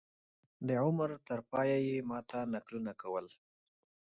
د عمر تر پایه یې ما ته نکلونه کول.